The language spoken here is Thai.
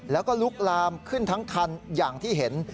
แล้วก็ลุกลามขึ้นทั้งคันอย่างที่เห็น